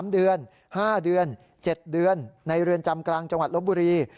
๓เดือน๕เดือน๗เดือนในเรือนจำกลางจังหวัดลบบุรี